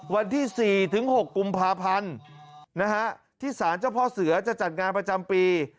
วันที่๔๖กุมภาพันธ์ที่สารเจ้าพ่อเสือจะจัดงานประจำปี